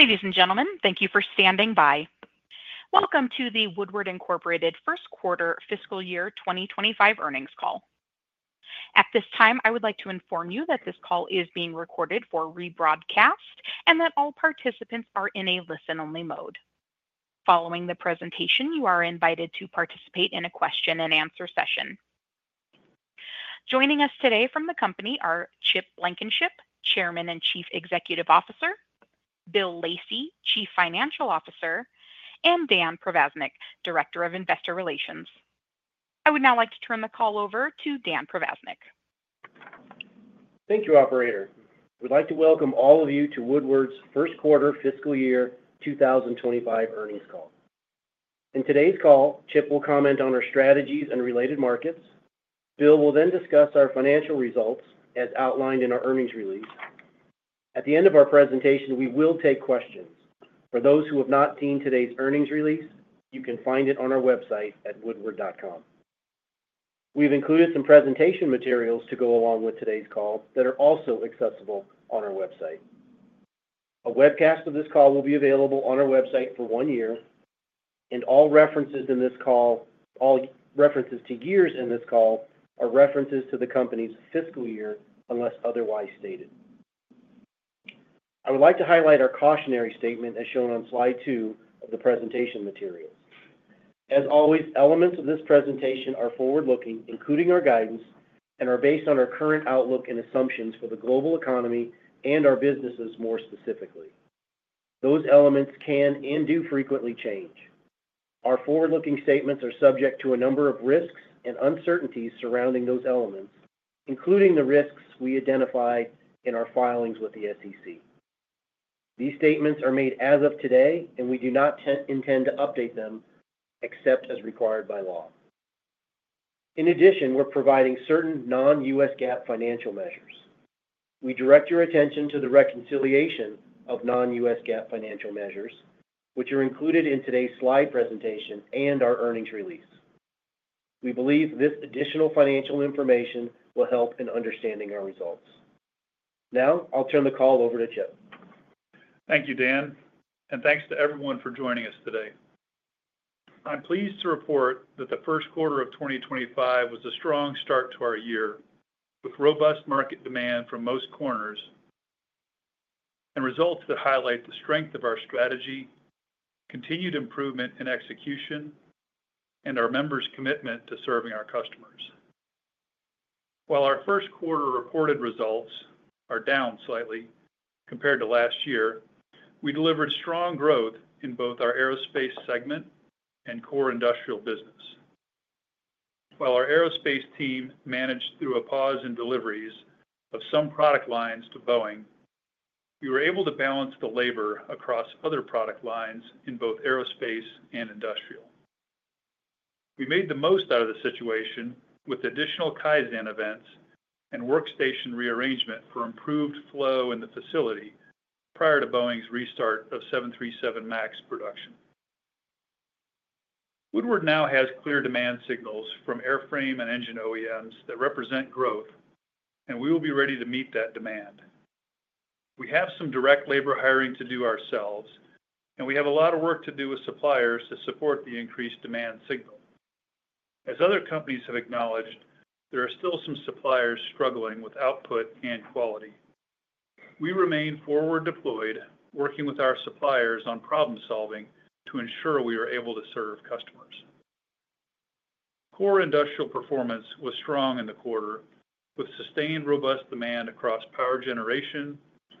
Ladies and gentlemen, thank you for standing by. Welcome to the Woodward Incorporated First Quarter Fiscal Year 2025 earnings call. At this time, I would like to inform you that this call is being recorded for rebroadcast and that all participants are in a listen-only mode. Following the presentation, you are invited to participate in a question-and-answer session. Joining us today from the company are Chip Blankenship, Chairman and Chief Executive Officer; Bill Lacey, Chief Financial Officer; and Dan Provaznik, Director of Investor Relations. I would now like to turn the call over to Dan Provaznik. Thank you, Operator. We'd like to welcome all of you to Woodward's First Quarter Fiscal Year 2025 earnings call. In today's call, Chip will comment on our strategies and related markets. Bill will then discuss our financial results as outlined in our earnings release. At the end of our presentation, we will take questions. For those who have not seen today's earnings release, you can find it on our website at woodward.com. We've included some presentation materials to go along with today's call that are also accessible on our website. A webcast of this call will be available on our website for one year, and all references in this call, all references to years in this call, are references to the company's fiscal year unless otherwise stated. I would like to highlight our cautionary statement as shown on slide two of the presentation materials. As always, elements of this presentation are forward-looking, including our guidance, and are based on our current outlook and assumptions for the global economy and our businesses more specifically. Those elements can and do frequently change. Our forward-looking statements are subject to a number of risks and uncertainties surrounding those elements, including the risks we identify in our filings with the SEC. These statements are made as of today, and we do not intend to update them except as required by law. In addition, we're providing certain non-GAAP financial measures. We direct your attention to the reconciliation of non-GAAP financial measures, which are included in today's slide presentation and our earnings release. We believe this additional financial information will help in understanding our results. Now, I'll turn the call over to Chip. Thank you, Dan, and thanks to everyone for joining us today. I'm pleased to report that the first quarter of 2025 was a strong start to our year with robust market demand from most corners and results that highlight the strength of our strategy, continued improvement in execution, and our members' commitment to serving our customers. While our first quarter reported results are down slightly compared to last year, we delivered strong growth in both our aerospace segment and core industrial business. While our aerospace team managed through a pause in deliveries of some product lines to Boeing, we were able to balance the labor across other product lines in both aerospace and industrial. We made the most out of the situation with additional Kaizen events and workstation rearrangement for improved flow in the facility prior to Boeing's restart of 737 MAX production. Woodward now has clear demand signals from airframe and engine OEMs that represent growth, and we will be ready to meet that demand. We have some direct labor hiring to do ourselves, and we have a lot of work to do with suppliers to support the increased demand signal. As other companies have acknowledged, there are still some suppliers struggling with output and quality. We remain forward-deployed, working with our suppliers on problem-solving to ensure we are able to serve customers. Core industrial performance was strong in the quarter, with sustained robust demand across power generation,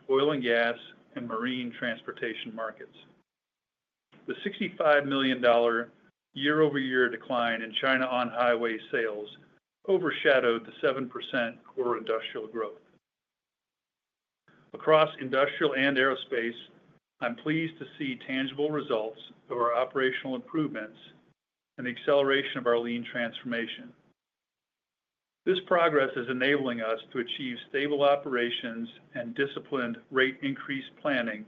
oil and gas, and marine transportation markets. The $65 million year-over-year decline in China on-highway sales overshadowed the 7% core industrial growth. Across industrial and aerospace, I'm pleased to see tangible results of our operational improvements and the acceleration of our lean transformation. This progress is enabling us to achieve stable operations and disciplined rate increase planning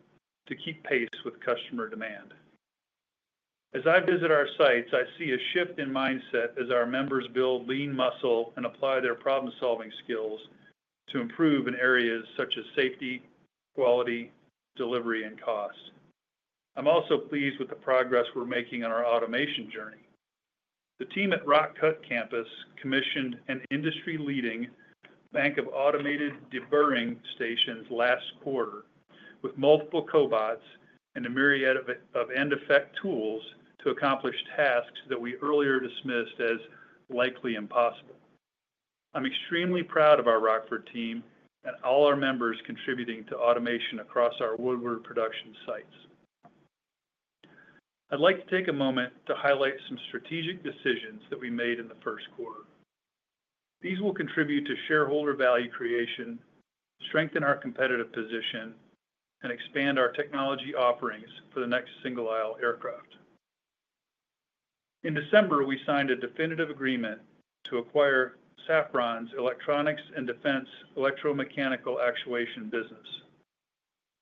to keep pace with customer demand. As I visit our sites, I see a shift in mindset as our members build lean muscle and apply their problem-solving skills to improve in areas such as safety, quality, delivery, and cost. I'm also pleased with the progress we're making on our automation journey. The team at Rock Cut Campus commissioned an industry-leading bank of automated deburring stations last quarter, with multiple cobots and a myriad of end-effector tools to accomplish tasks that we earlier dismissed as likely impossible. I'm extremely proud of our Rockford team and all our members contributing to automation across our Woodward production sites. I'd like to take a moment to highlight some strategic decisions that we made in the first quarter. These will contribute to shareholder value creation, strengthen our competitive position, and expand our technology offerings for the next single-aisle aircraft. In December, we signed a definitive agreement to acquire Safran's Electronics & Defense electromechanical actuation business.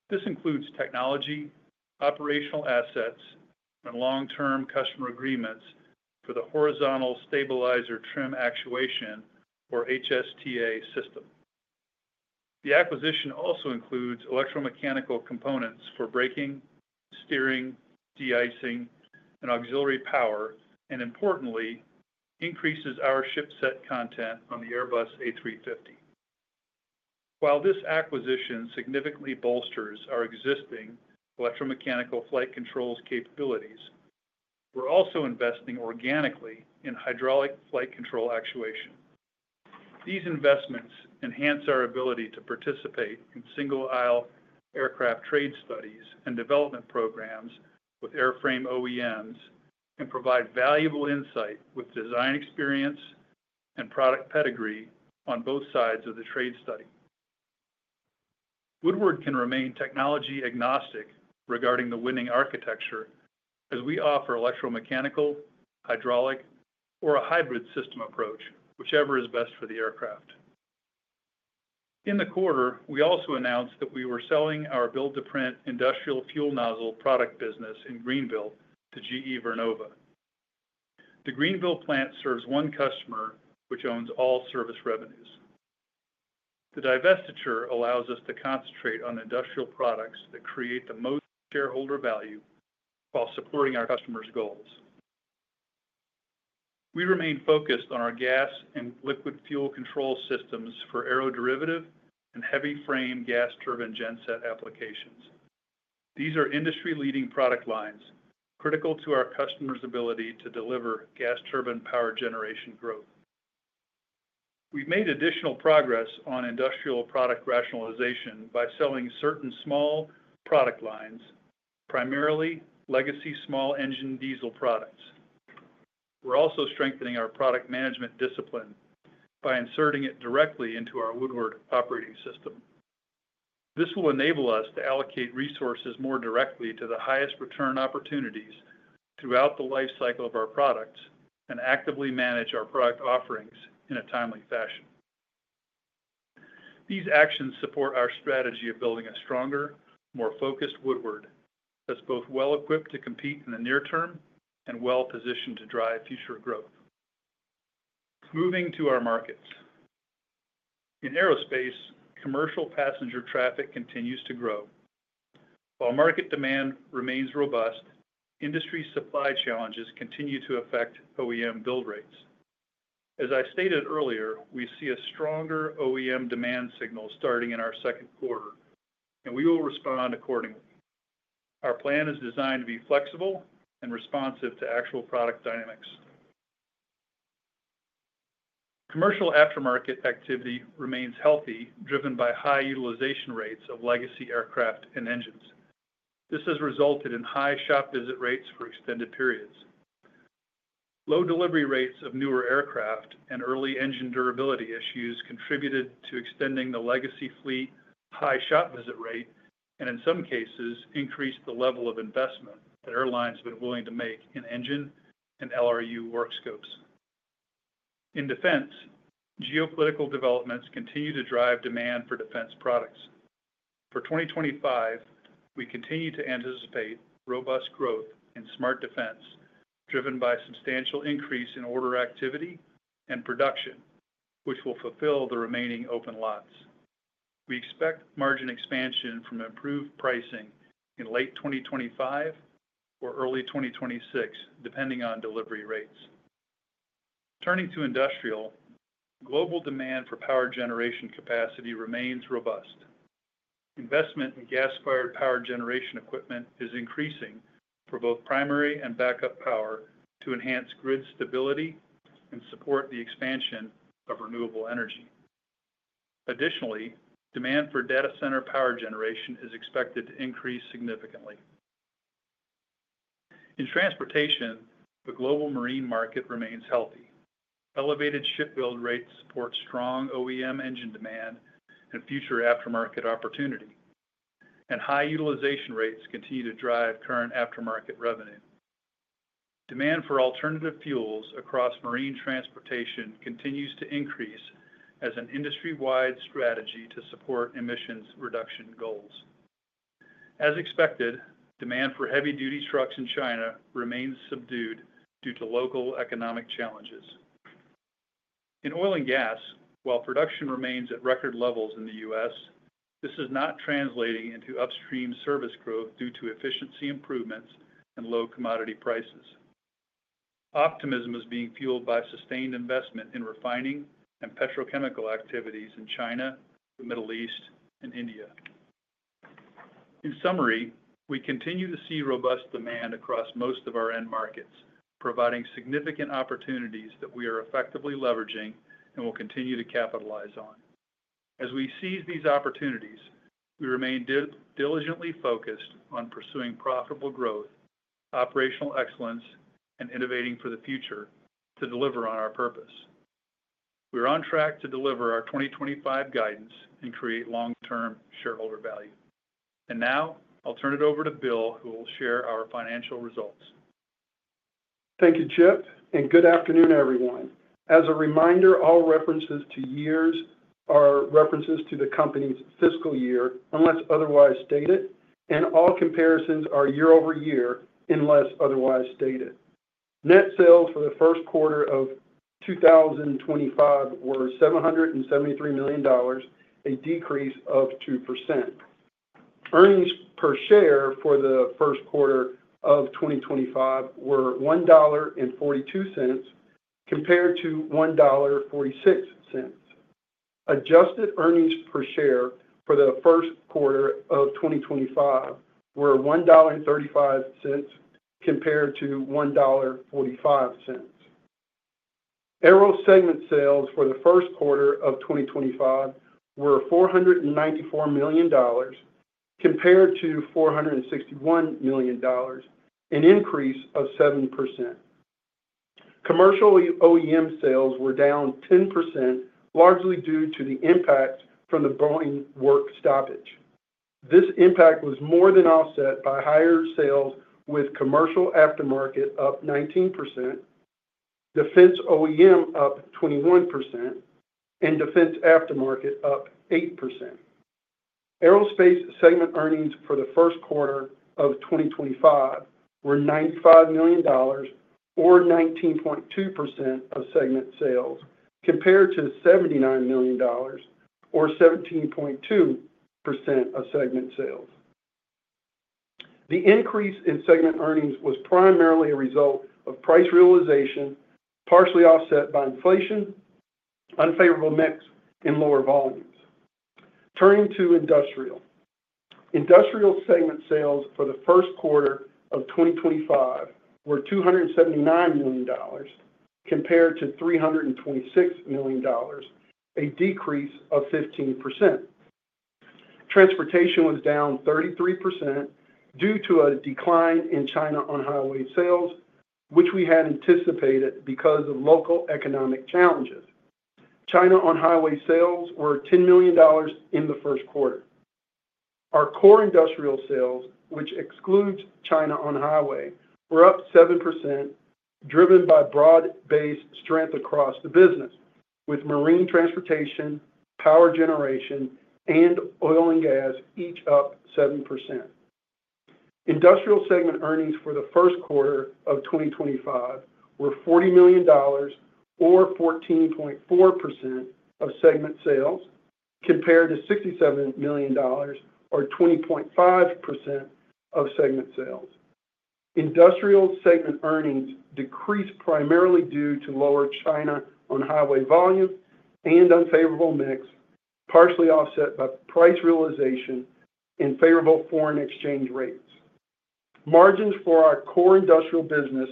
This includes technology, operational assets, and long-term customer agreements for the horizontal stabilizer trim actuation, or HSTA, system. The acquisition also includes electromechanical components for braking, steering, de-icing, and auxiliary power, and importantly, increases our shipset content on the Airbus A350. While this acquisition significantly bolsters our existing electromechanical flight controls capabilities, we're also investing organically in hydraulic flight control actuation. These investments enhance our ability to participate in single-aisle aircraft trade studies and development programs with airframe OEMs and provide valuable insight with design experience and product pedigree on both sides of the trade study. Woodward can remain technology agnostic regarding the winning architecture as we offer electromechanical, hydraulic, or a hybrid system approach, whichever is best for the aircraft. In the quarter, we also announced that we were selling our build-to-print industrial fuel nozzle product business in Greenville to GE Vernova. The Greenville plant serves one customer, which owns all service revenues. The divestiture allows us to concentrate on industrial products that create the most shareholder value while supporting our customers' goals. We remain focused on our gas and liquid fuel control systems for aeroderivative and heavy frame gas turbine genset applications. These are industry-leading product lines critical to our customers' ability to deliver gas turbine power generation growth. We've made additional progress on industrial product rationalization by selling certain small product lines, primarily legacy small engine diesel products. We're also strengthening our product management discipline by inserting it directly into our Woodward Operating System. This will enable us to allocate resources more directly to the highest return opportunities throughout the life cycle of our products and actively manage our product offerings in a timely fashion. These actions support our strategy of building a stronger, more focused Woodward that's both well-equipped to compete in the near term and well-positioned to drive future growth. Moving to our markets. In aerospace, commercial passenger traffic continues to grow. While market demand remains robust, industry supply challenges continue to affect OEM build rates. As I stated earlier, we see a stronger OEM demand signal starting in our second quarter, and we will respond accordingly. Our plan is designed to be flexible and responsive to actual product dynamics. Commercial aftermarket activity remains healthy, driven by high utilization rates of legacy aircraft and engines. This has resulted in high shop visit rates for extended periods. Low delivery rates of newer aircraft and early engine durability issues contributed to extending the legacy fleet's high shop visit rate and, in some cases, increased the level of investment that airlines have been willing to make in engine and LRU work scopes. In defense, geopolitical developments continue to drive demand for defense products. For 2025, we continue to anticipate robust growth in Smart Defense, driven by a substantial increase in order activity and production, which will fulfill the remaining open lots. We expect margin expansion from improved pricing in late 2025 or early 2026, depending on delivery rates. Turning to industrial, global demand for power generation capacity remains robust. Investment in gas-fired power generation equipment is increasing for both primary and backup power to enhance grid stability and support the expansion of renewable energy. Additionally, demand for data center power generation is expected to increase significantly. In transportation, the global marine market remains healthy. Elevated ship build rates support strong OEM engine demand and future aftermarket opportunity, and high utilization rates continue to drive current aftermarket revenue. Demand for alternative fuels across marine transportation continues to increase as an industry-wide strategy to support emissions reduction goals. As expected, demand for heavy-duty trucks in China remains subdued due to local economic challenges. In oil and gas, while production remains at record levels in the U.S., this is not translating into upstream service growth due to efficiency improvements and low commodity prices. Optimism is being fueled by sustained investment in refining and petrochemical activities in China, the Middle East, and India. In summary, we continue to see robust demand across most of our end markets, providing significant opportunities that we are effectively leveraging and will continue to capitalize on. As we seize these opportunities, we remain diligently focused on pursuing profitable growth, operational excellence, and innovating for the future to deliver on our purpose. We are on track to deliver our 2025 guidance and create long-term shareholder value. And now, I'll turn it over to Bill, who will share our financial results. Thank you, Chip, and good afternoon, everyone. As a reminder, all references to years are references to the company's fiscal year unless otherwise stated, and all comparisons are year-over-year unless otherwise stated. Net sales for the first quarter of 2025 were $773 million, a decrease of 2%. Earnings per share for the first quarter of 2025 were $1.42 compared to $1.46. Adjusted earnings per share for the first quarter of 2025 were $1.35 compared to $1.45. Aero segment sales for the first quarter of 2025 were $494 million compared to $461 million, an increase of 7%. Commercial OEM sales were down 10%, largely due to the impact from the Boeing work stoppage. This impact was more than offset by higher sales with commercial aftermarket up 19%, defense OEM up 21%, and defense aftermarket up 8%. Aerospace segment earnings for the first quarter of 2025 were $95 million, or 19.2% of segment sales, compared to $79 million, or 17.2% of segment sales. The increase in segment earnings was primarily a result of price realization, partially offset by inflation, unfavorable mix, and lower volumes. Turning to industrial. Industrial segment sales for the first quarter of 2025 were $279 million compared to $326 million, a decrease of 15%. Transportation was down 33% due to a decline in China on-highway sales, which we had anticipated because of local economic challenges. China on-highway sales were $10 million in the first quarter. Our core industrial sales, which excludes China on-highway, were up 7%, driven by broad-based strength across the business, with marine transportation, power generation, and oil and gas each up 7%. Industrial segment earnings for the first quarter of 2025 were $40 million, or 14.4% of segment sales, compared to $67 million, or 20.5% of segment sales. Industrial segment earnings decreased primarily due to lower China on-highway volume and unfavorable mix, partially offset by price realization and favorable foreign exchange rates. Margins for our core industrial business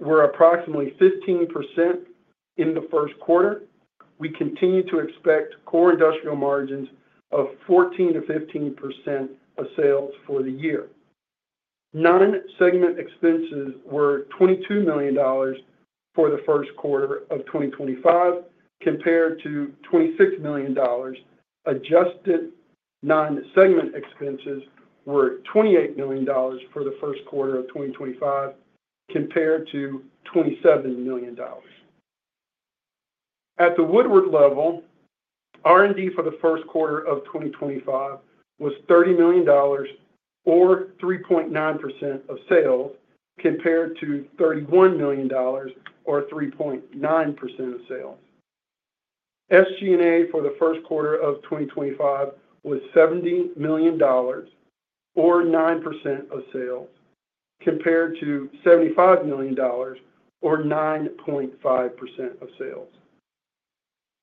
were approximately 15% in the first quarter. We continue to expect core industrial margins of 14%-15% of sales for the year. Non-segment expenses were $22 million for the first quarter of 2025, compared to $26 million. Adjusted non-segment expenses were $28 million for the first quarter of 2025, compared to $27 million. At the Woodward level, R&D for the first quarter of 2025 was $30 million, or 3.9% of sales, compared to $31 million, or 3.9% of sales. SG&A for the first quarter of 2025 was $70 million, or 9% of sales, compared to $75 million, or 9.5% of sales.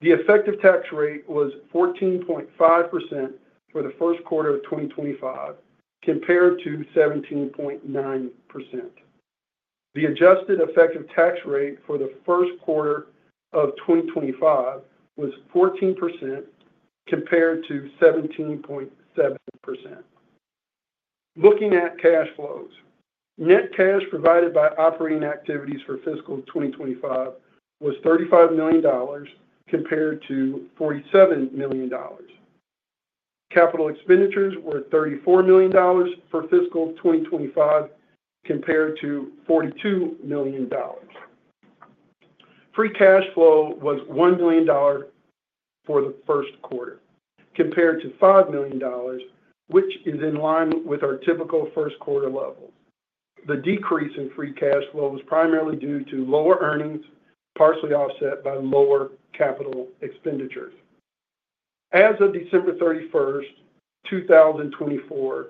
The effective tax rate was 14.5% for the first quarter of 2025, compared to 17.9%. The adjusted effective tax rate for the first quarter of 2025 was 14%, compared to 17.7%. Looking at cash flows, net cash provided by operating activities for fiscal 2025 was $35 million, compared to $47 million. Capital expenditures were $34 million for fiscal 2025, compared to $42 million. Free cash flow was $1 million for the first quarter, compared to $5 million, which is in line with our typical first quarter levels. The decrease in free cash flow was primarily due to lower earnings, partially offset by lower capital expenditures. As of December 31st, 2024,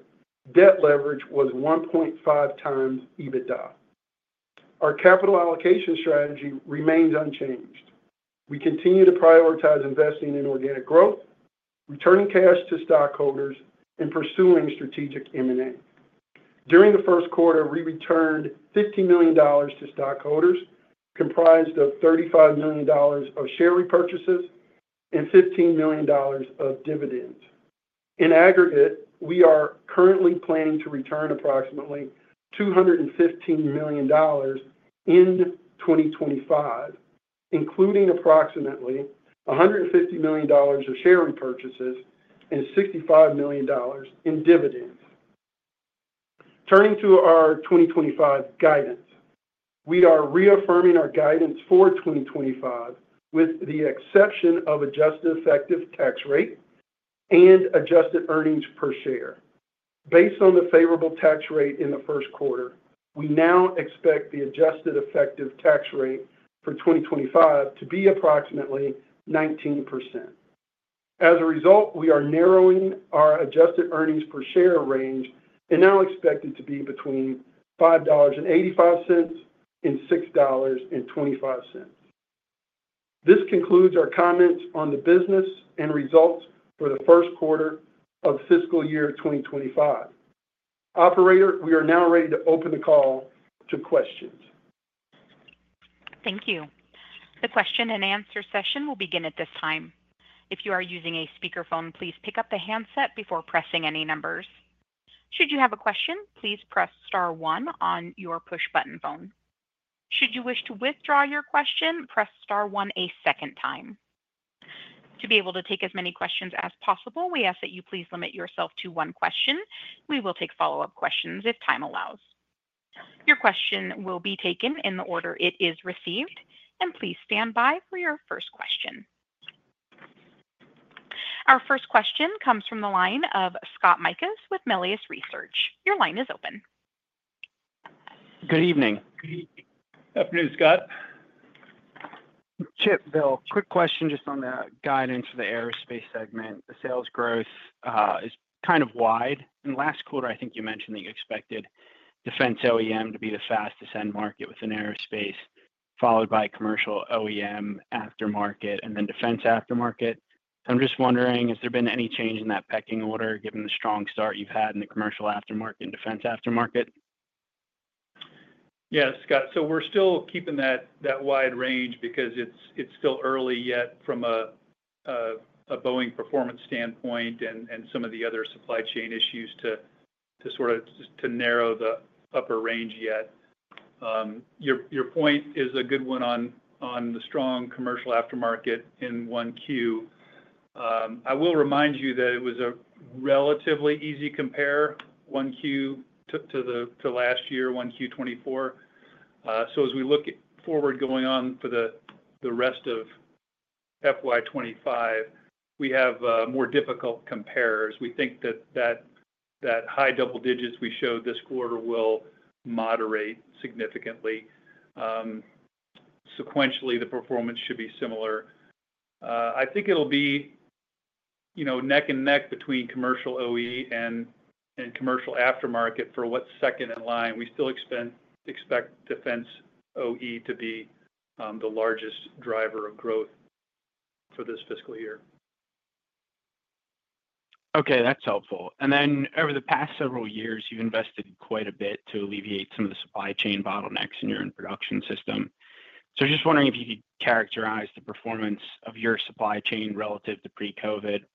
debt leverage was 1.5x EBITDA. Our capital allocation strategy remains unchanged. We continue to prioritize investing in organic growth, returning cash to stockholders, and pursuing strategic M&A. During the first quarter, we returned $15 million to stockholders, comprised of $35 million of share repurchases and $15 million of dividends. In aggregate, we are currently planning to return approximately $215 million in 2025, including approximately $150 million of share repurchases and $65 million in dividends. Turning to our 2025 guidance, we are reaffirming our guidance for 2025 with the exception of adjusted effective tax rate and adjusted earnings per share. Based on the favorable tax rate in the first quarter, we now expect the adjusted effective tax rate for 2025 to be approximately 19%. As a result, we are narrowing our adjusted earnings per share range and now expect it to be between $5.85 and $6.25. This concludes our comments on the business and results for the first quarter of fiscal year 2025. Operator, we are now ready to open the call to questions. Thank you. The question and answer session will begin at this time. If you are using a speakerphone, please pick up the handset before pressing any numbers. Should you have a question, please press star one on your push button phone. Should you wish to withdraw your question, press star one a second time. To be able to take as many questions as possible, we ask that you please limit yourself to one question. We will take follow-up questions if time allows. Your question will be taken in the order it is received, and please stand by for your first question. Our first question comes from the line of Scott Mikus with Melius Research. Your line is open. Good evening. Afternoon, Scott. Chip, Bill, quick question just on the guidance for the aerospace segment. The sales growth is kind of wide. In the last quarter, I think you mentioned that you expected defense OEM to be the fastest end market within aerospace, followed by commercial OEM, aftermarket, and then defense aftermarket. I'm just wondering, has there been any change in that pecking order given the strong start you've had in the commercial aftermarket and defense aftermarket? Yes, Scott. So we're still keeping that wide range because it's still early yet from a Boeing performance standpoint and some of the other supply chain issues to sort of narrow the upper range yet. Your point is a good one on the strong commercial aftermarket in 1Q. I will remind you that it was a relatively easy compare, 1Q to last year, 1Q 2024. So as we look forward going on for the rest of FY 2025, we have more difficult compares. We think that that high double digits we showed this quarter will moderate significantly. Sequentially, the performance should be similar. I think it'll be neck and neck between commercial OE and commercial aftermarket for what second in line. We still expect defense OE to be the largest driver of growth for this fiscal year. Okay, that's helpful. And then over the past several years, you've invested quite a bit to alleviate some of the supply chain bottlenecks in your production system. So just wondering if you could characterize the performance of your supply chain relative to pre-COVID. Is it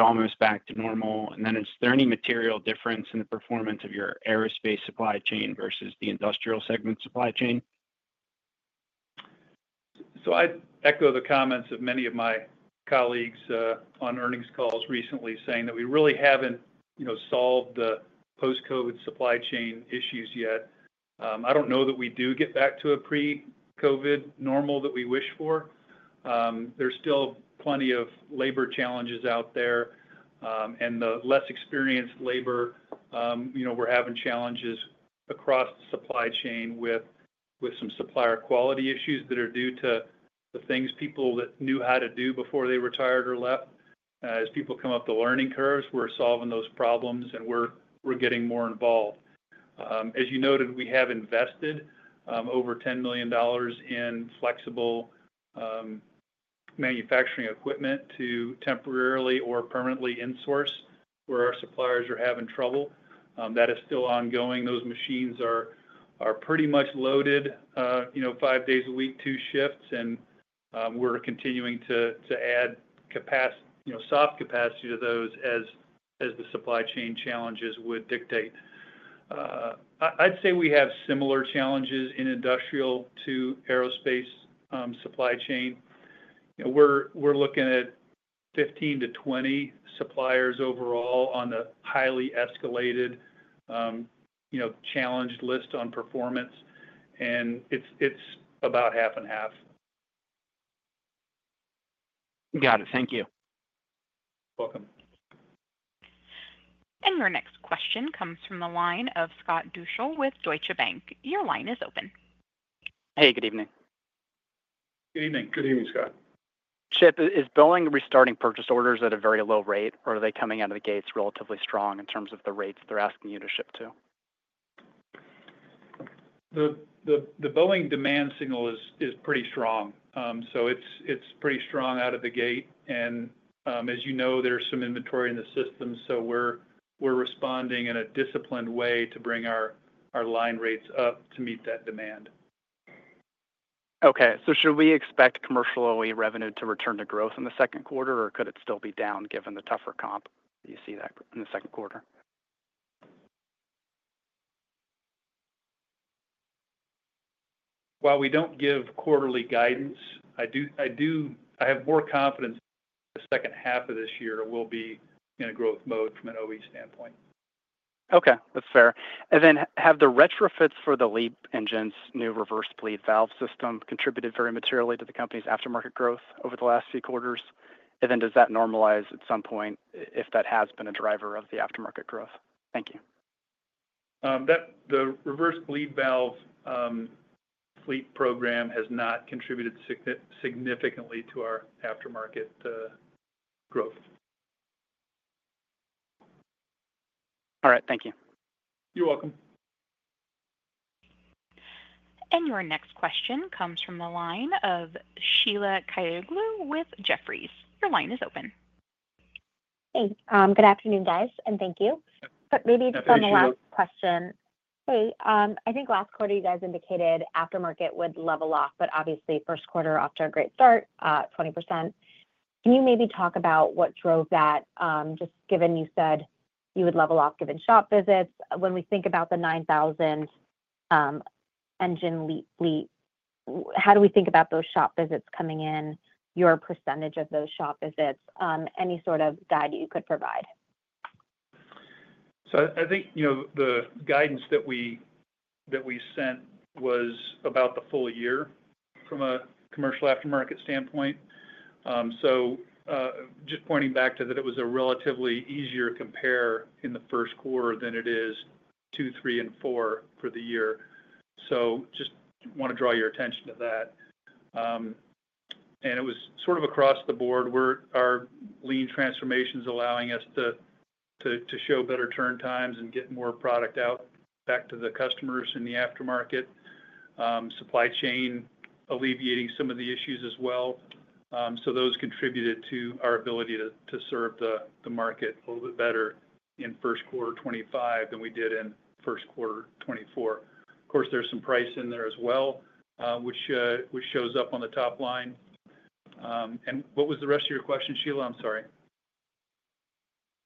almost back to normal? And then is there any material difference in the performance of your aerospace supply chain versus the industrial segment supply chain? I'd echo the comments of many of my colleagues on earnings calls recently saying that we really haven't solved the post-COVID supply chain issues yet. I don't know that we do get back to a pre-COVID normal that we wish for. There's still plenty of labor challenges out there, and the less experienced labor, we're having challenges across the supply chain with some supplier quality issues that are due to the things people that knew how to do before they retired or left. As people come up the learning curves, we're solving those problems and we're getting more involved. As you noted, we have invested over $10 million in flexible manufacturing equipment to temporarily or permanently insource where our suppliers are having trouble. That is still ongoing. Those machines are pretty much loaded five days a week, two shifts, and we're continuing to add soft capacity to those as the supply chain challenges would dictate. I'd say we have similar challenges in industrial to aerospace supply chain. We're looking at 15-20 suppliers overall on the highly escalated challenge list on performance, and it's about half and half. Got it. Thank you. You're welcome. Your next question comes from the line of Scott Deuschle with Deutsche Bank. Your line is open. Hey, good evening. Good evening. Good evening, Scott. Chip, is Boeing restarting purchase orders at a very low rate, or are they coming out of the gates relatively strong in terms of the rates they're asking you to ship to? The Boeing demand signal is pretty strong, so it's pretty strong out of the gate. As you know, there's some inventory in the system, so we're responding in a disciplined way to bring our line rates up to meet that demand. Okay. So should we expect commercial OE revenue to return to growth in the second quarter, or could it still be down given the tougher comp you see in the second quarter? While we don't give quarterly guidance, I have more confidence the second half of this year will be in a growth mode from an OE standpoint. Okay. That's fair. And then have the retrofits for the LEAP engines, new Reverse Bleed Valve system, contributed very materially to the company's aftermarket growth over the last few quarters? And then does that normalize at some point if that has been a driver of the aftermarket growth? Thank you. The Reverse Bleed Valve fleet program has not contributed significantly to our aftermarket growth. All right. Thank you. You're welcome. And your next question comes from the line of Sheila Kahyaoglu with Jefferies. Your line is open. Hey. Good afternoon, guys, and thank you. But maybe just on the last question. Hey, I think last quarter you guys indicated aftermarket would level off, but obviously first quarter off to a great start, 20%. Can you maybe talk about what drove that, just given you said you would level off given shop visits? When we think about the 9,000 engine LEAP, how do we think about those shop visits coming in, your percentage of those shop visits? Any sort of guide you could provide? I think the guidance that we sent was about the full year from a commercial aftermarket standpoint. Just pointing back to that, it was a relatively easier compare in the first quarter than it is two, three, and four for the year. Just want to draw your attention to that. It was sort of across the board. Our lean transformation is allowing us to show better turn times and get more product out back to the customers in the aftermarket. Supply chain alleviating some of the issues as well. Those contributed to our ability to serve the market a little bit better in first quarter 2025 than we did in first quarter 2024. Of course, there's some price in there as well, which shows up on the top line. What was the rest of your question, Sheila? I'm sorry.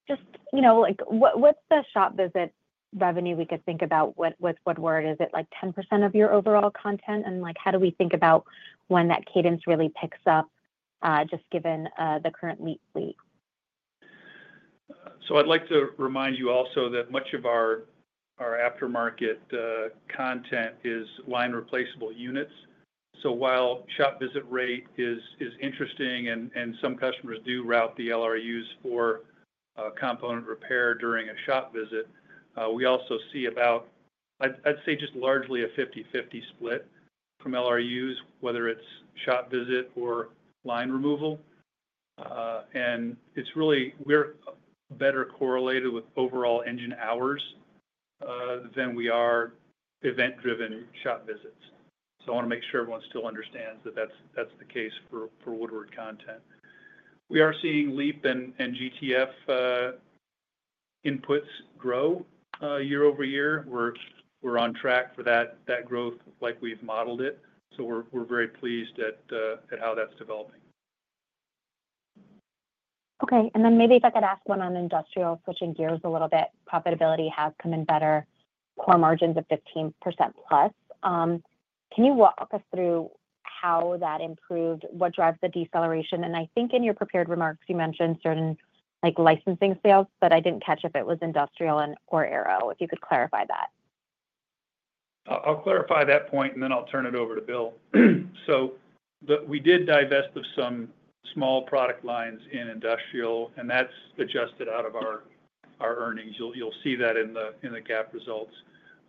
Just what's the shop visit revenue we could think about with Woodward? Is it like 10% of your overall content? And how do we think about when that cadence really picks up just given the current LEAP fleet? I'd like to remind you also that much of our aftermarket content is Line Replaceable Units. While shop visit rate is interesting and some customers do route the LRUs for component repair during a shop visit, we also see about, I'd say, just largely a 50/50 split from LRUs, whether it's shop visit or line removal. It's really better correlated with overall engine hours than we are event-driven shop visits. I want to make sure everyone still understands that that's the case for Woodward content. We are seeing LEAP and GTF inputs grow year-over-year. We're on track for that growth like we've modeled it. We're very pleased at how that's developing. Okay. And then maybe if I could ask one on industrial, switching gears a little bit. Profitability has come in better, core margins of 15%+. Can you walk us through how that improved? What drives the deceleration? And I think in your prepared remarks, you mentioned certain licensing sales, but I didn't catch if it was industrial or aero. If you could clarify that. I'll clarify that point, and then I'll turn it over to Bill. So we did divest of some small product lines in industrial, and that's adjusted out of our earnings. You'll see that in the GAAP results.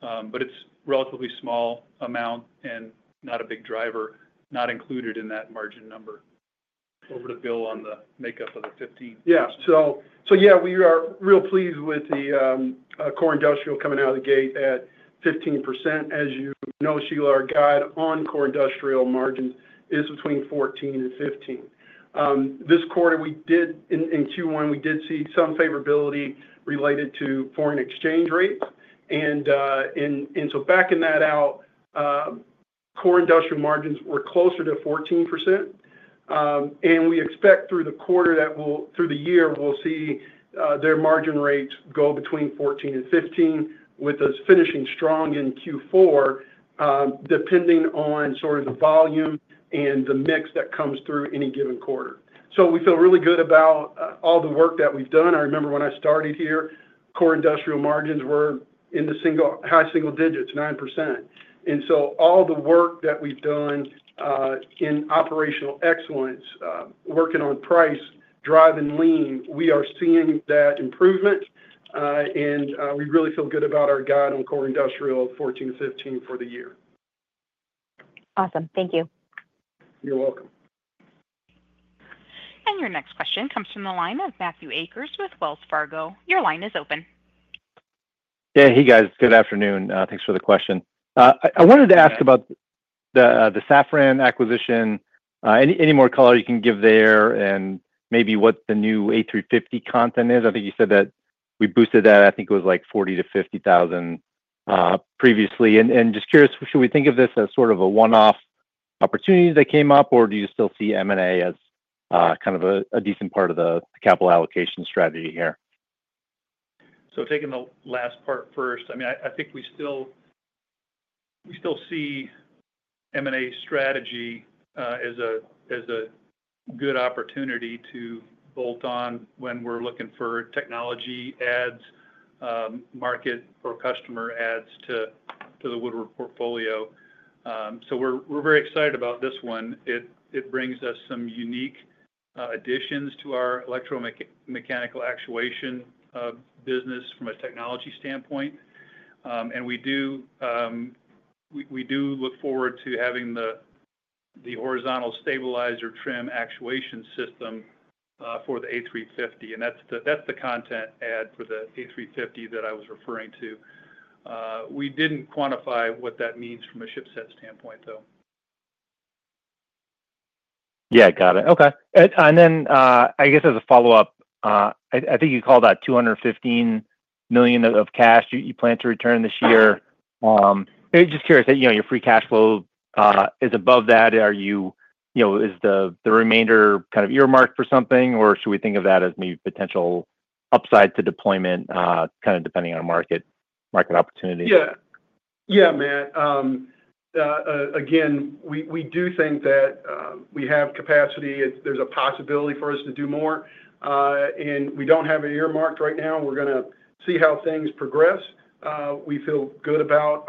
But it's a relatively small amount and not a big driver, not included in that margin number. Over to Bill on the makeup of the 15%. Yeah. So yeah, we are real pleased with the core industrial coming out of the gate at 15%. As you know, Sheila, our guide on core industrial margins is between 14% and 15%. This quarter, in Q1, we did see some favorability related to foreign exchange rates. And so backing that out, core industrial margins were closer to 14%. And we expect through the year, we'll see their margin rates go between 14% and 15%, with us finishing strong in Q4, depending on sort of the volume and the mix that comes through any given quarter. So we feel really good about all the work that we've done. I remember when I started here, core industrial margins were in the high single digits, 9%. And so all the work that we've done in operational excellence, working on price, driving lean, we are seeing that improvement. We really feel good about our guide on Core Industrial 14, 15 for the year. Awesome. Thank you. You're welcome. Your next question comes from the line of Matthew Akers with Wells Fargo. Your line is open. Yeah. Hey, guys. Good afternoon. Thanks for the question. I wanted to ask about the Safran acquisition, any more color you can give there and maybe what the new A350 content is. I think you said that we boosted that, I think it was like $40,000-$50,000 previously. And just curious, should we think of this as sort of a one-off opportunity that came up, or do you still see M&A as kind of a decent part of the capital allocation strategy here? So taking the last part first, I mean, I think we still see M&A strategy as a good opportunity to bolt on when we're looking for technology adds, market or customer adds to the Woodward portfolio. So we're very excited about this one. It brings us some unique additions to our electromechanical actuation business from a technology standpoint. And we do look forward to having the horizontal stabilizer trim actuation system for the A350. And that's the content add for the A350 that I was referring to. We didn't quantify what that means from a shipset standpoint, though. Yeah. Got it. Okay. And then I guess as a follow-up, I think you called that $215 million of cash you plan to return this year. Just curious, your free cash flow is above that. Is the remainder kind of earmarked for something, or should we think of that as maybe potential upside to deployment kind of depending on market opportunity? Yeah. Yeah, Matt. Again, we do think that we have capacity. There's a possibility for us to do more. And we don't have it earmarked right now. We're going to see how things progress. We feel good about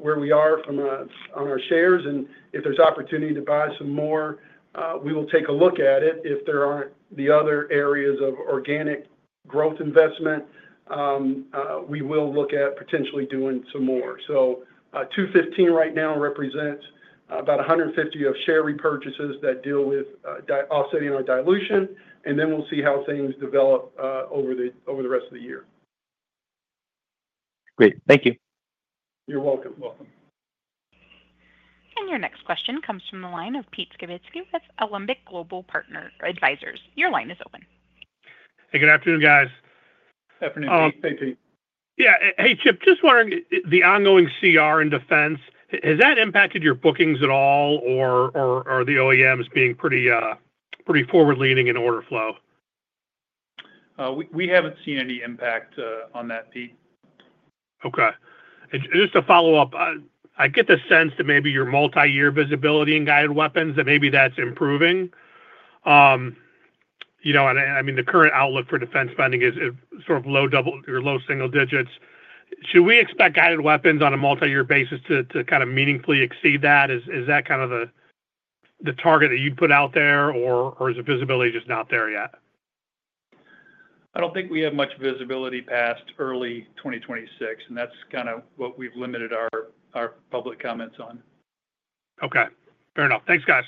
where we are on our shares. And if there's opportunity to buy some more, we will take a look at it. If there aren't the other areas of organic growth investment, we will look at potentially doing some more. So $215 right now represents about $150 of share repurchases that deal with offsetting our dilution. And then we'll see how things develop over the rest of the year. Great. Thank you. You're welcome. You're welcome. Your next question comes from the line of Pete Skibitski with Alembic Global Advisors. Your line is open. Hey, good afternoon, guys. Good afternoon. Thank you. Yeah. Hey, Chip, just wondering, the ongoing CR and defense, has that impacted your bookings at all, or are the OEMs being pretty forward-leaning in order flow? We haven't seen any impact on that, Pete. Okay. Just a follow-up. I get the sense that maybe your multi-year visibility in guided weapons, that maybe that's improving. I mean, the current outlook for defense spending is sort of low single digits. Should we expect guided weapons on a multi-year basis to kind of meaningfully exceed that? Is that kind of the target that you put out there, or is the visibility just not there yet? I don't think we have much visibility past early 2026, and that's kind of what we've limited our public comments on. Okay. Fair enough. Thanks, guys.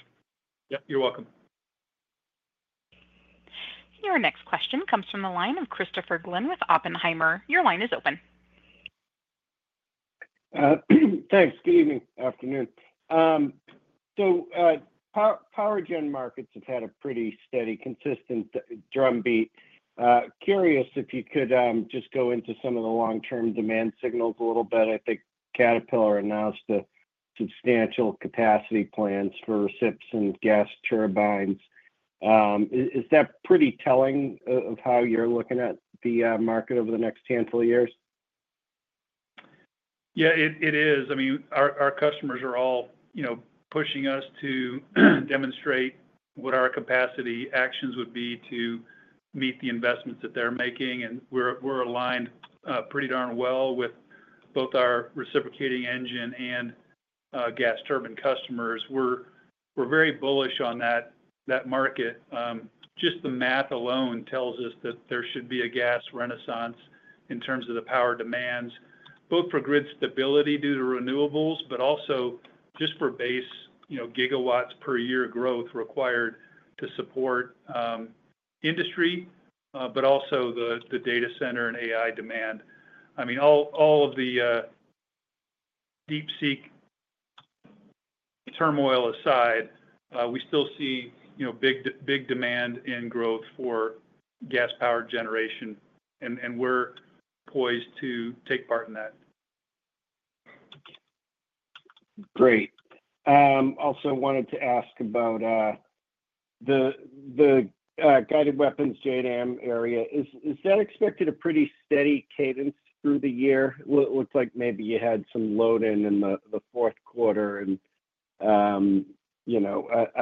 Yep. You're welcome. Your next question comes from the line of Christopher Glynn with Oppenheimer. Your line is open. Thanks. Good evening. Afternoon. So power gen markets have had a pretty steady, consistent drumbeat. Curious if you could just go into some of the long-term demand signals a little bit. I think Caterpillar announced substantial capacity plans for recips and gas turbines. Is that pretty telling of how you're looking at the market over the next handful of years? Yeah, it is. I mean, our customers are all pushing us to demonstrate what our capacity actions would be to meet the investments that they're making. And we're aligned pretty darn well with both our reciprocating engine and gas turbine customers. We're very bullish on that market. Just the math alone tells us that there should be a gas renaissance in terms of the power demands, both for grid stability due to renewables, but also just for base gigawatts per year growth required to support industry, but also the data center and AI demand. I mean, all of the deep-seated turmoil aside, we still see big demand and growth for gas-powered generation, and we're poised to take part in that. Great. Also wanted to ask about the guided weapons JDAM area. Is that expected a pretty steady cadence through the year? It looks like maybe you had some load-in in the fourth quarter. And I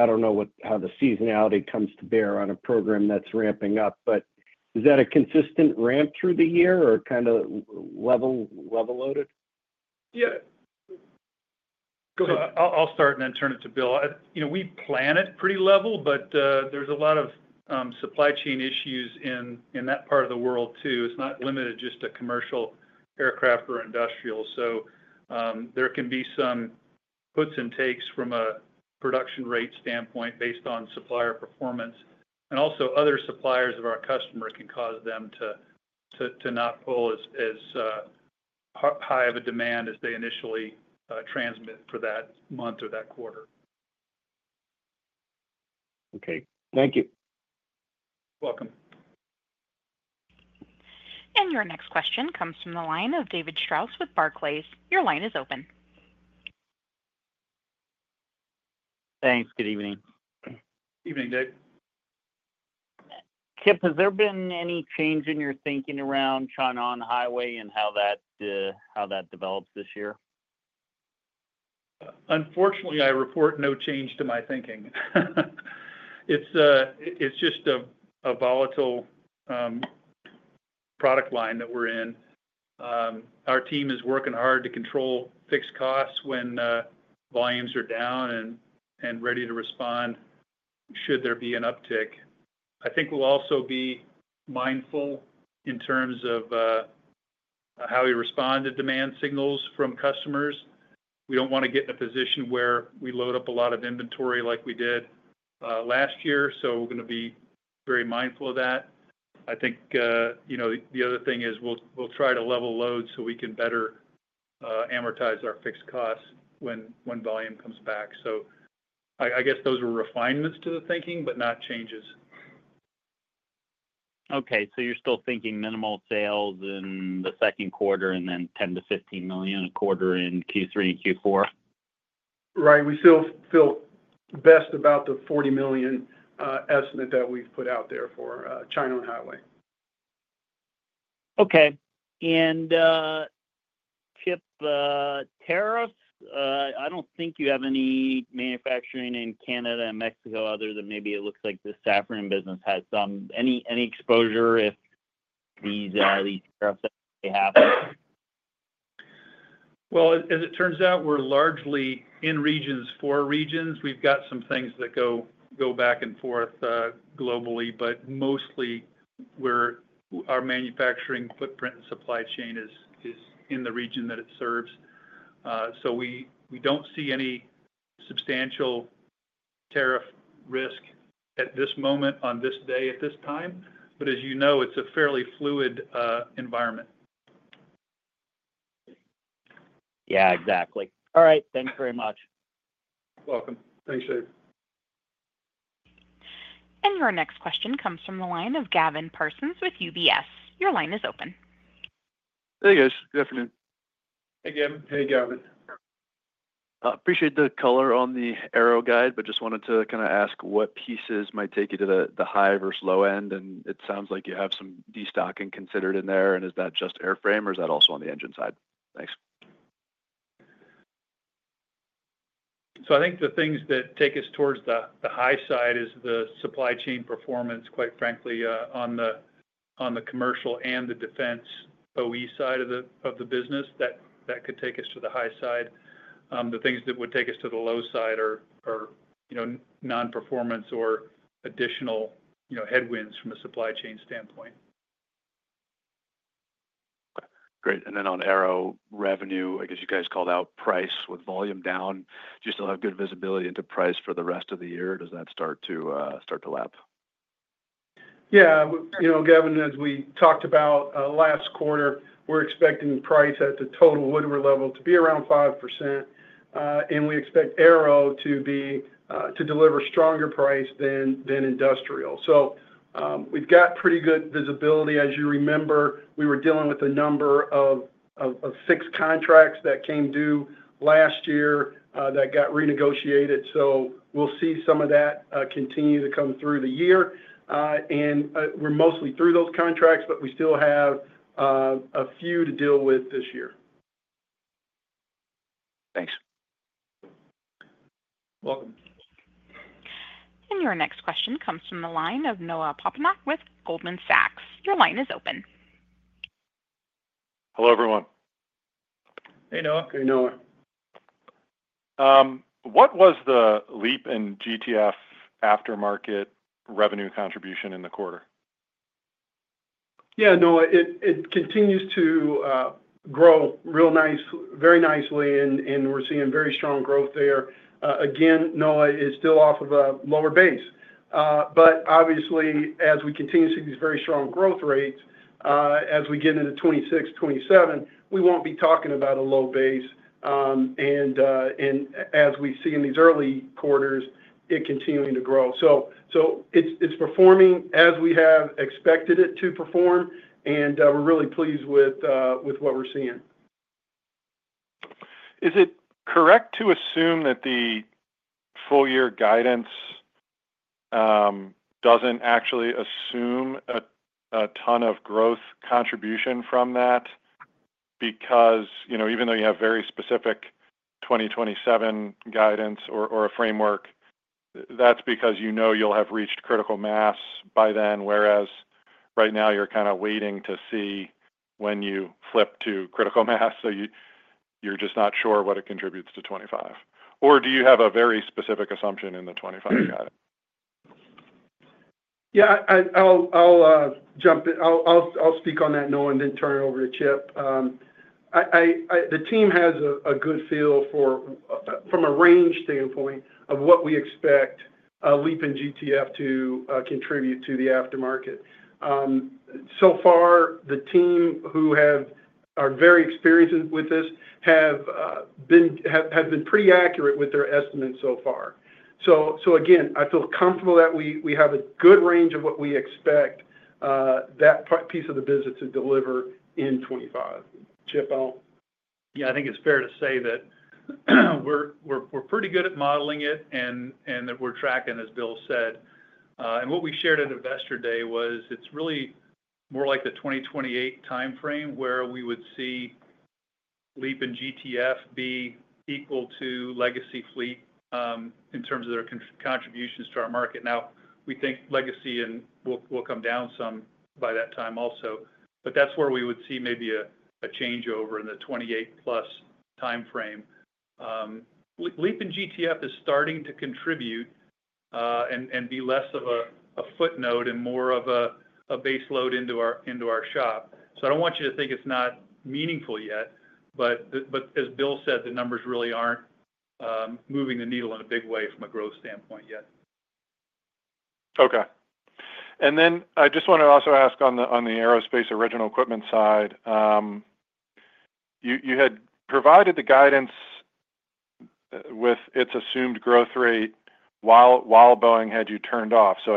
don't know how the seasonality comes to bear on a program that's ramping up, but is that a consistent ramp through the year or kind of level loaded? Yeah. Go ahead. I'll start and then turn it to Bill. We plan it pretty level, but there's a lot of supply chain issues in that part of the world too. It's not limited just to commercial aircraft or industrial. So there can be some puts and takes from a production rate standpoint based on supplier performance, and also, other suppliers of our customers can cause them to not pull as high of a demand as they initially transmit for that month or that quarter. Okay. Thank you. You're welcome. Your next question comes from the line of David Strauss with Barclays. Your line is open. Thanks. Good evening. Evening, David. Chip, has there been any change in your thinking around China on the highway and how that develops this year? Unfortunately, I report no change to my thinking. It's just a volatile product line that we're in. Our team is working hard to control fixed costs when volumes are down and ready to respond should there be an uptick. I think we'll also be mindful in terms of how we respond to demand signals from customers. We don't want to get in a position where we load up a lot of inventory like we did last year. So we're going to be very mindful of that. I think the other thing is we'll try to level load so we can better amortize our fixed costs when volume comes back. So I guess those were refinements to the thinking, but not changes. Okay. So you're still thinking minimal sales in the second quarter and then $10 million-$15 million a quarter in Q3 and Q4? Right. We still feel best about the $40 million estimate that we've put out there for China on the highway. Okay, and Chip, tariffs? I don't think you have any manufacturing in Canada and Mexico other than maybe it looks like the Safran business has some. Any exposure if these tariffs actually happen? As it turns out, we're largely in regions for regions. We've got some things that go back and forth globally, but mostly our manufacturing footprint and supply chain is in the region that it serves. We don't see any substantial tariff risk at this moment on this day at this time. As you know, it's a fairly fluid environment. Yeah. Exactly. All right. Thanks very much. You're welcome. Thanks, David. Your next question comes from the line of Gavin Parsons with UBS. Your line is open. Hey, guys. Good afternoon. Hey, Gavin. Hey, Gavin. Appreciate the color on our guidance, but just wanted to kind of ask what pieces might take you to the high versus low end. It sounds like you have some destocking considered in there. Is that just airframe, or is that also on the engine side? Thanks. So I think the things that take us towards the high side is the supply chain performance, quite frankly, on the commercial and the defense OEM side of the business. That could take us to the high side. The things that would take us to the low side are non-performance or additional headwinds from a supply chain standpoint. Great. And then on aero revenue, I guess you guys called out price with volume down. Do you still have good visibility into price for the rest of the year? Does that start to lap? Yeah. Gavin, as we talked about last quarter, we're expecting price at the total Woodward level to be around 5%. And we expect aero to deliver stronger price than industrial. So we've got pretty good visibility. As you remember, we were dealing with a number of fixed contracts that came due last year that got renegotiated. So we'll see some of that continue to come through the year. And we're mostly through those contracts, but we still have a few to deal with this year. Thanks. You're welcome. Your next question comes from the line of Noah Poponak with Goldman Sachs. Your line is open. Hello, everyone. Hey, Noah. Hey, Noah. What was the LEAP in GTF aftermarket revenue contribution in the quarter? Yeah. Noah, it continues to grow real nice, very nicely. And we're seeing very strong growth there. Again, Noah is still off of a lower base. But obviously, as we continue to see these very strong growth rates, as we get into 2026, 2027, we won't be talking about a low base. And as we see in these early quarters, it continuing to grow. So it's performing as we have expected it to perform. And we're really pleased with what we're seeing. Is it correct to assume that the full-year guidance doesn't actually assume a ton of growth contribution from that? Because even though you have very specific 2027 guidance or a framework, that's because you know you'll have reached critical mass by then, whereas right now you're kind of waiting to see when you flip to critical mass. So you're just not sure what it contributes to 2025. Or do you have a very specific assumption in the 2025 guidance? Yeah. I'll jump in. I'll speak on that, Noah, and then turn it over to Chip. The team has a good feel from a range standpoint of what we expect a LEAP in GTF to contribute to the aftermarket. So far, the team who are very experienced with this have been pretty accurate with their estimates so far. So again, I feel comfortable that we have a good range of what we expect that piece of the business to deliver in 2025. Chip, I'll. Yeah. I think it's fair to say that we're pretty good at modeling it and that we're tracking, as Bill said. What we shared at investor day was it's really more like the 2028 timeframe where we would see LEAP and GTF be equal to legacy fleet in terms of their contributions to our market. Now, we think legacy will come down some by that time also. But that's where we would see maybe a changeover in the 2028+ timeframe. LEAP and GTF is starting to contribute and be less of a footnote and more of a base load into our shop. So I don't want you to think it's not meaningful yet. But as Bill said, the numbers really aren't moving the needle in a big way from a growth standpoint yet. Okay. And then I just want to also ask on the aerospace original equipment side. You had provided the guidance with its assumed growth rate while Boeing had you turned off. So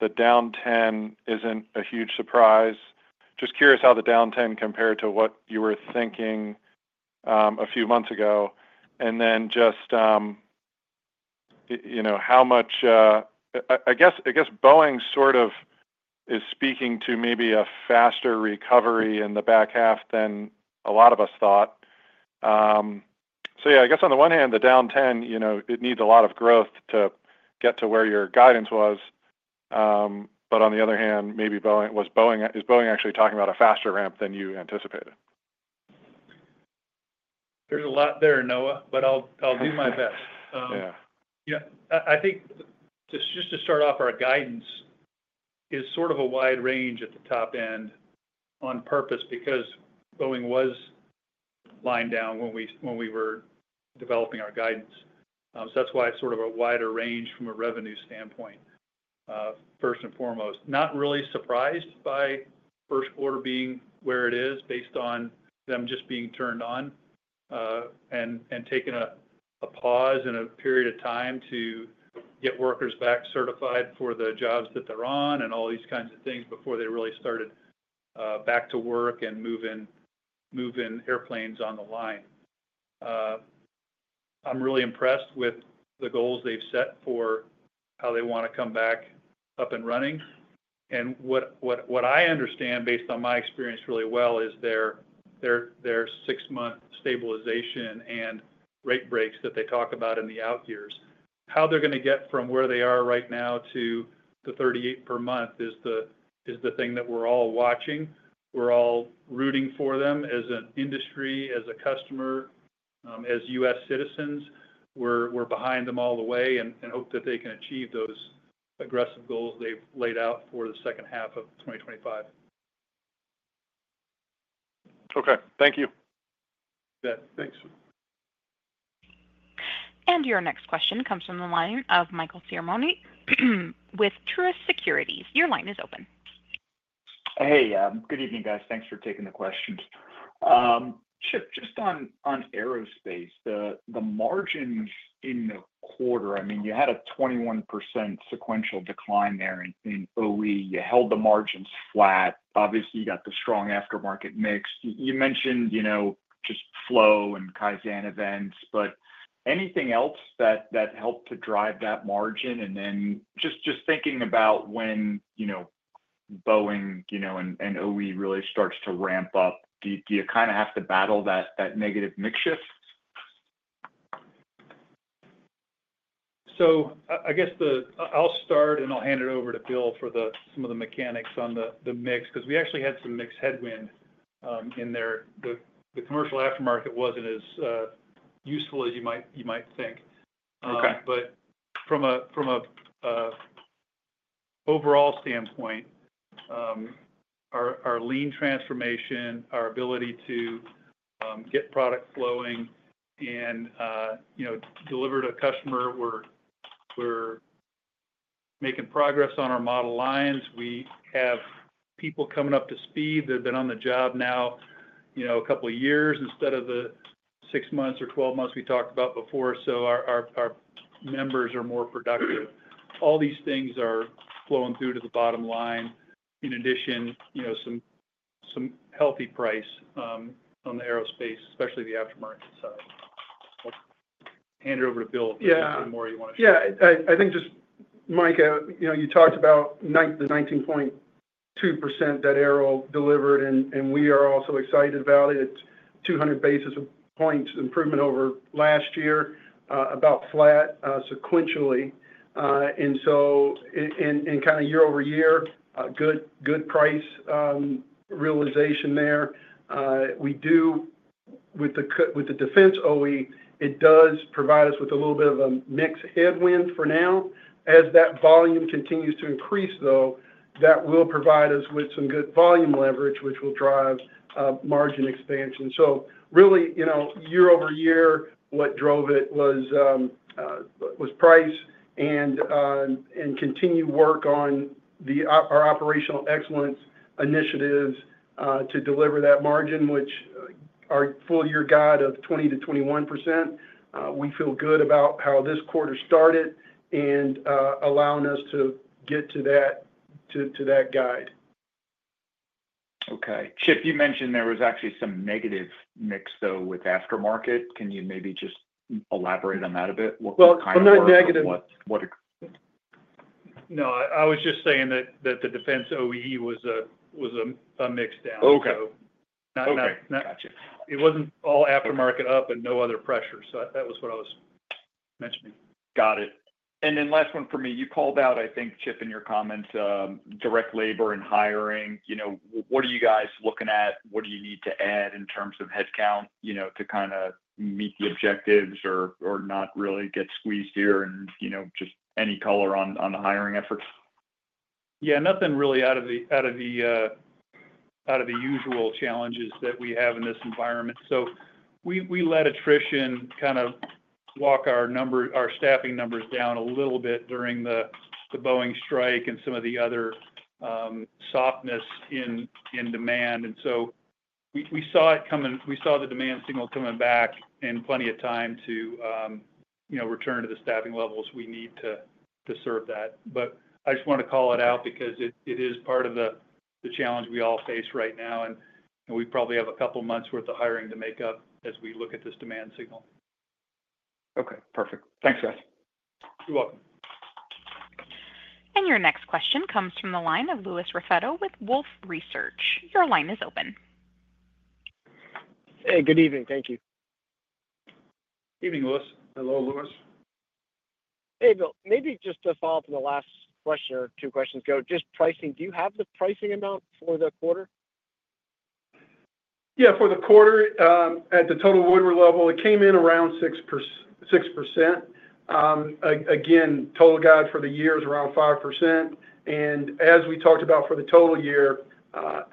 I guess the down 10% isn't a huge surprise. Just curious how the down 10% compared to what you were thinking a few months ago. And then just how much I guess Boeing sort of is speaking to maybe a faster recovery in the back half than a lot of us thought. So yeah, I guess on the one hand, the down 10%, it needs a lot of growth to get to where your guidance was. But on the other hand, maybe was Boeing actually talking about a faster ramp than you anticipated? There's a lot there, Noah, but I'll do my best. Yeah. I think just to start off, our guidance is sort of a wide range at the top end on purpose because Boeing was lying down when we were developing our guidance. So that's why it's sort of a wider range from a revenue standpoint, first and foremost. Not really surprised by first quarter being where it is based on them just being turned on and taking a pause in a period of time to get workers back certified for the jobs that they're on and all these kinds of things before they really started back to work and moving airplanes on the line. I'm really impressed with the goals they've set for how they want to come back up and running. What I understand based on my experience really well is their six-month stabilization and rate breaks that they talk about in the out years. How they're going to get from where they are right now to the 38 per month is the thing that we're all watching. We're all rooting for them as an industry, as a customer, as U.S. citizens. We're behind them all the way and hope that they can achieve those aggressive goals they've laid out for the second half of 2025. Okay. Thank you. Thanks. Your next question comes from the line of Michael Ciarmoli with Truist Securities. Your line is open. Hey, good evening, guys. Thanks for taking the question. Chip, just on aerospace, the margins in the quarter, I mean, you had a 21% sequential decline there in OE. You held the margins flat. Obviously, you got the strong aftermarket mix. You mentioned just flow and Kaizen events, but anything else that helped to drive that margin? And then just thinking about when Boeing and OE really starts to ramp up, do you kind of have to battle that negative mix shift? So, I guess I'll start, and I'll hand it over to Bill for some of the mechanics on the mix because we actually had some mixed headwind in there. The commercial aftermarket wasn't as useful as you might think. But from an overall standpoint, our lean transformation, our ability to get product flowing and deliver to a customer, we're making progress on our model lines. We have people coming up to speed. They've been on the job now a couple of years instead of the six months or 12 months we talked about before. So our members are more productive. All these things are flowing through to the bottom line. In addition, some healthy price on the aerospace, especially the aftermarket side. I'll hand it over to Bill if there's anything more you want to share. Yeah. I think just, Mike, you talked about the 19.2% that Aero delivered, and we are also excited about it. It's 200 basis points improvement over last year, about flat sequentially. And so kind of year-over-year, good price realization there. With the defense OEM, it does provide us with a little bit of a mixed headwind for now. As that volume continues to increase, though, that will provide us with some good volume leverage, which will drive margin expansion. So really, year-over-year, what drove it was price and continued work on our operational excellence initiatives to deliver that margin, which our full-year guide of 20%-21%. We feel good about how this quarter started and allowing us to get to that guide. Okay. Chip, you mentioned there was actually some negative mix, though, with aftermarket. Can you maybe just elaborate on that a bit? What kind of negative? Not negative. What? No, I was just saying that the Defense OEM was a mixdown, so. Okay. Gotcha. It wasn't all aftermarket up and no other pressure. So that was what I was mentioning. Got it. And then last one for me. You called out, I think, Chip, in your comments, direct labor and hiring. What are you guys looking at? What do you need to add in terms of headcount to kind of meet the objectives or not really get squeezed here and just any color on the hiring efforts? Yeah. Nothing really out of the usual challenges that we have in this environment. So we let attrition kind of walk our staffing numbers down a little bit during the Boeing strike and some of the other softness in demand. And so we saw it coming. We saw the demand signal coming back in plenty of time to return to the staffing levels we need to serve that. But I just want to call it out because it is part of the challenge we all face right now. And we probably have a couple of months' worth of hiring to make up as we look at this demand signal. Okay. Perfect. Thanks, guys. You're welcome. Your next question comes from the line of Louis Raffetto with Wolfe Research. Your line is open. Hey, good evening. Thank you. Good evening, Louis. Hello, Louis. Hey, Bill. Maybe just to follow up on the last question or two questions ago, just pricing. Do you have the pricing amount for the quarter? Yeah. For the quarter, at the total Woodward level, it came in around 6%. Again, total guide for the year is around 5%. And as we talked about for the total year,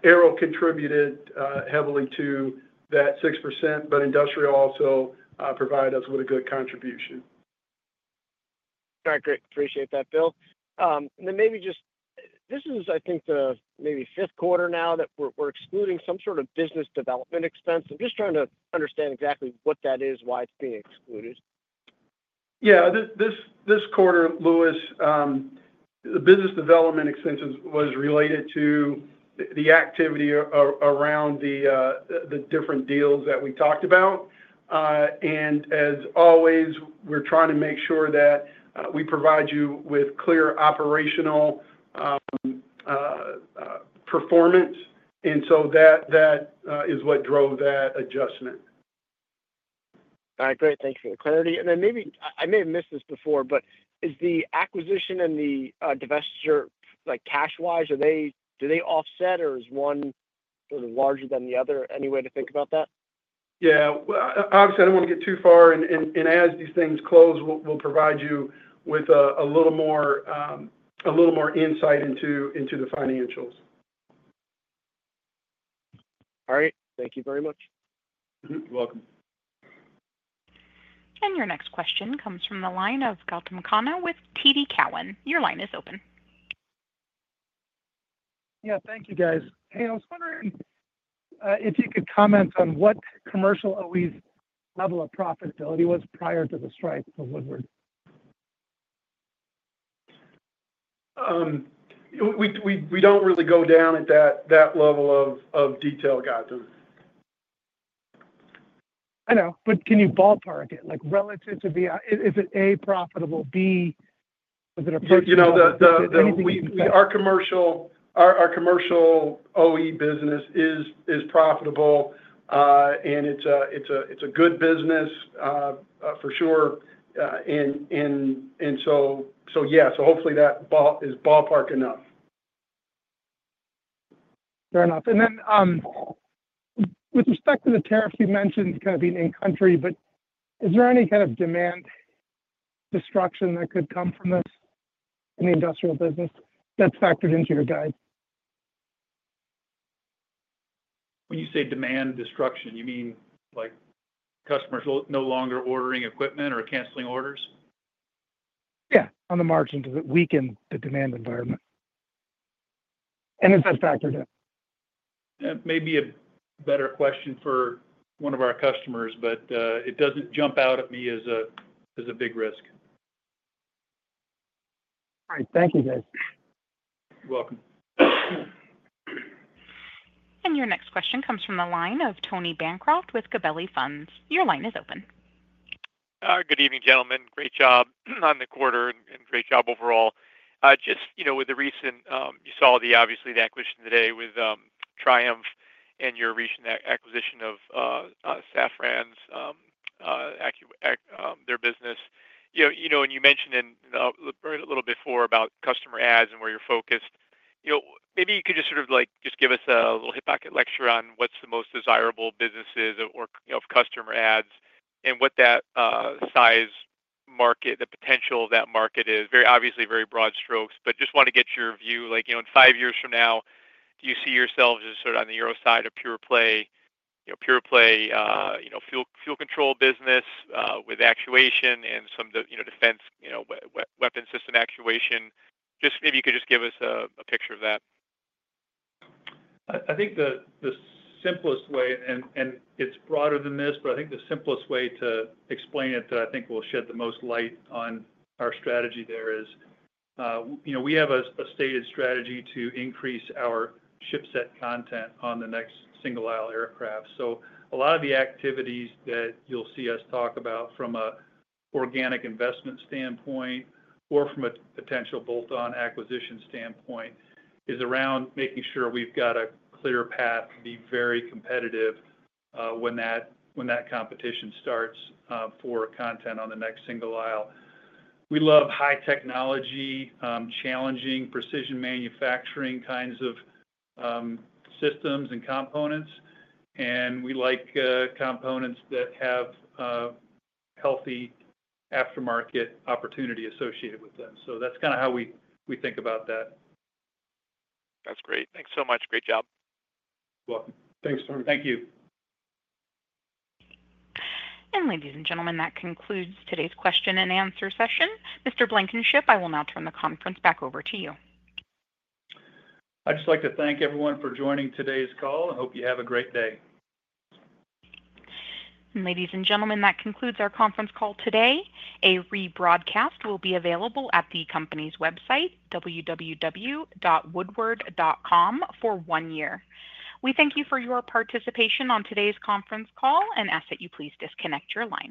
Aero contributed heavily to that 6%, but industrial also provided us with a good contribution. All right. Great. Appreciate that, Bill. And then maybe just this is, I think, the maybe fifth quarter now that we're excluding some sort of business development expense. I'm just trying to understand exactly what that is, why it's being excluded. Yeah. This quarter, Louis, the business development expenses was related to the activity around the different deals that we talked about. And as always, we're trying to make sure that we provide you with clear operational performance. And so that is what drove that adjustment. All right. Great. Thank you for your clarity. And then I may have missed this before, but is the acquisition and the divestiture, cash-wise, do they offset or is one sort of larger than the other? Any way to think about that? Yeah. Obviously, I don't want to get too far, and as these things close, we'll provide you with a little more insight into the financials. All right. Thank you very much. You're welcome. Your next question comes from the line of Gautam Khanna with TD Cowen. Your line is open. Yeah. Thank you, guys. Hey, I was wondering if you could comment on what commercial OEMs level of profitability was prior to the strike for Woodward. We don't really go down at that level of detail, Gautam. I know. But can you ballpark it relative to, is it A, profitable? B, was it 8? The OE business. Our commercial OE business is profitable, and it's a good business for sure. And so yeah, so hopefully that is ballpark enough. Fair enough. And then with respect to the tariffs you mentioned kind of being in-country, but is there any kind of demand destruction that could come from this in the industrial business that's factored into your guide? When you say demand destruction, you mean customers no longer ordering equipment or canceling orders? Yeah. On the margin does it weaken the demand environment? And is that factored in? That may be a better question for one of our customers, but it doesn't jump out at me as a big risk. All right. Thank you, guys. You're welcome. Your next question comes from the line of Tony Bancroft with Gabelli Funds. Your line is open. Hi. Good evening, gentlemen. Great job on the quarter and great job overall. Just with the recent, you saw obviously the acquisition today with Triumph and your recent acquisition of Safran, their business. And you mentioned a little bit before about customer adds and where you're focused. Maybe you could just sort of give us a little hip-pocket lecture on what's the most desirable businesses or customer adds and what the size of that market, the potential of that market is, obviously very broad strokes. But just want to get your view. In five years from now, do you see yourselves sort of on the OEM side of pure-play, pure-play fuel control business with actuation and some defense weapon system actuation? Just maybe you could just give us a picture of that. I think the simplest way, and it's broader than this, but I think the simplest way to explain it that I think will shed the most light on our strategy there is we have a stated strategy to increase our shipset content on the next single-aisle aircraft. So a lot of the activities that you'll see us talk about from an organic investment standpoint or from a potential bolt-on acquisition standpoint is around making sure we've got a clear path to be very competitive when that competition starts for content on the next single-aisle. We love high technology, challenging, precision manufacturing kinds of systems and components. And we like components that have healthy aftermarket opportunity associated with them. So that's kind of how we think about that. That's great. Thanks so much. Great job. You're welcome. Thanks, Tony. Thank you. Ladies and gentlemen, that concludes today's question and answer session. Mr. Blankenship, I will now turn the conference back over to you. I'd just like to thank everyone for joining today's call. I hope you have a great day. Ladies and gentlemen, that concludes our conference call today. A rebroadcast will be available at the company's website, www.woodward.com, for one year. We thank you for your participation on today's conference call and ask that you please disconnect your line.